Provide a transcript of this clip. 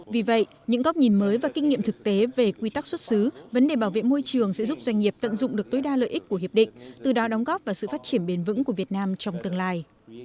vì vậy những góc nhìn mới và kinh nghiệm thực tế về quy tắc xuất xứ vấn đề bảo vệ môi trường sẽ giúp doanh nghiệp tận dụng được tối đa lợi ích của hiệp định từ đó đóng góp vào sự phát triển bền vững của việt nam trong tương lai